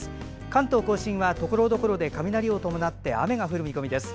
関東・甲信はところどころで雷を伴って雨が降る見込みです。